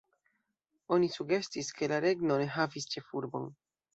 Oni sugestis ke la regno ne havis ĉefurbon.